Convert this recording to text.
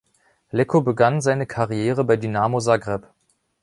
Leko begann seine Karriere bei Dinamo Zagreb.